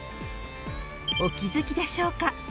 ［お気付きでしょうか］